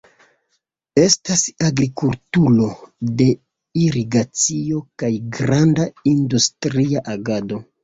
Estas agrikulturo de irigacio kaj granda industria agado.